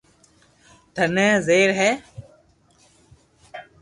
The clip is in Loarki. تني زبر ھي